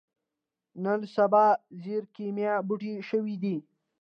نن سبا ځيره کېميا بوټی شوې ده.